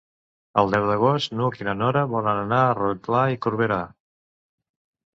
El deu d'agost n'Hug i na Nora volen anar a Rotglà i Corberà.